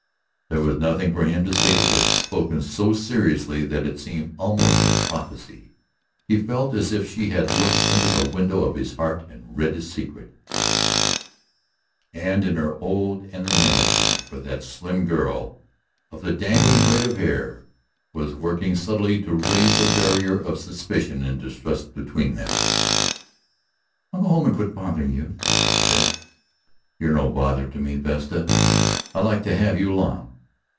There was nothing for him to say to this, spoken so seriously that it seemed almost a prophecy. He felt as if she had looked into the window of his heart and read his secret and, in her old enmity for this slim girl of the dangling braid of hair, was working subtly to raise a barrier of suspicion and distrust between them. "I'll go on home and quit bothering you," she said. "You're no bother to me, Vesta; I like to have you along."